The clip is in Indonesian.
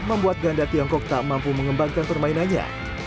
membuat ganda tiongkok tak mampu mengembangkan permainannya